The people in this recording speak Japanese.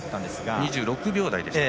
２６秒台でした。